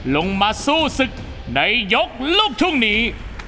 ลงมาสู้ศึกในยกลูกทุ่งนี้